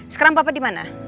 sekarang papa dimana